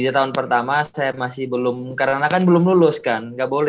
jadi tahun pertama saya masih belum karena kan belum lulus kan gak boleh kan